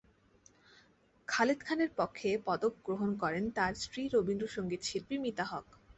খালেদ খানের পক্ষে পদক গ্রহণ করেন তাঁর স্ত্রী রবীন্দ্রসংগীতশিল্পী মিতা হক।